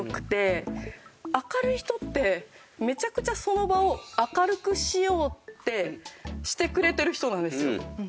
明るい人ってめちゃくちゃその場を明るくしようってしてくれてる人なんですよ。